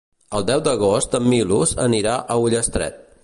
El deu d'agost en Milos anirà a Ullastret.